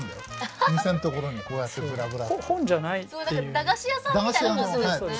駄菓子屋さんみたいな感じですね。